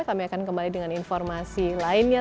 kami akan kembali dengan informasi lainnya